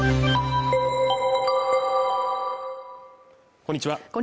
こんにちは